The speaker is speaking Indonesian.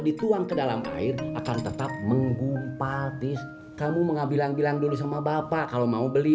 dituang kedalam air akan tetap hai pabri c towel mengabilang bilang dulu sama bapak kalau mau beli